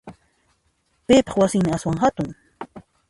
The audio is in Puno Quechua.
Piqpa wasinmi aswan hatun?